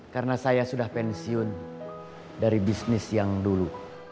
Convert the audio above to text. karena saya sudah pensiun dari bisnis yang dulu